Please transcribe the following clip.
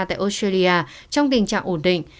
tại australia trong tình trạng ổn định